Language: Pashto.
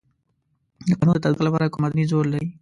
د قانون د تطبیق لپاره کوم مدني زور لري.